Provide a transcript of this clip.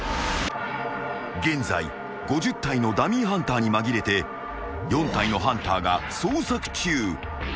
［現在５０体のダミーハンターに紛れて４体のハンターが捜索中］